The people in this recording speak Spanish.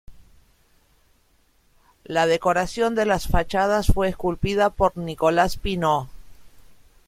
La decoración de las fachadas fue esculpida por Nicolás Pineau.